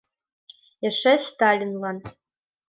Эше — Сталинлан.